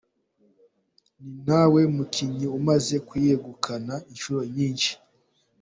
Ni nawe mukinnyi umaze kuyegukana inshuro nyinshi.